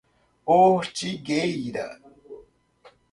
Ortigueira